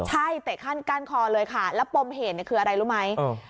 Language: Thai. ใช่เตะขั้นก้านคอเลยค่ะแล้วปมเหตุเนี่ยคืออะไรรู้ไหม